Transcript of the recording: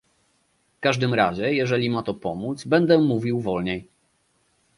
W każdym razie, jeżeli ma to pomóc, będę mówił wolniej